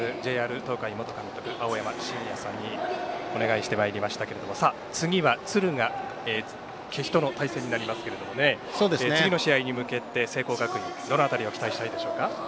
ＪＲ東海元監督、青山眞也さんにお願いしてまいりましたけども次は、敦賀気比との対戦になりますけれども次の試合に向けて聖光学院どの辺りを期待したいでしょうか。